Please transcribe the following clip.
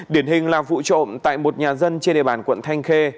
điển hình là vụ trộm tại một nhà dân trên địa bàn quận thanh khê